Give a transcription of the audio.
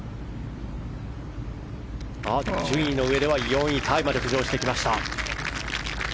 順位の上では４位タイまで浮上してきました。